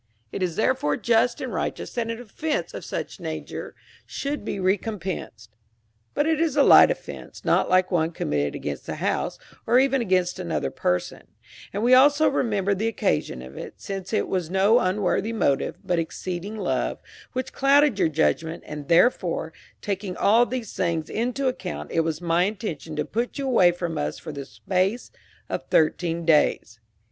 It is therefore just and righteous that an offense of such a nature should be recompensed; but it is a light offense, not like one committed against the house, or even against another person, and we also remember the occasion of it, since it was no unworthy motive, but exceeding love, which clouded your judgment, and therefore, taking all these things into account, it was my intention to put you away from us for the space of thirteen days."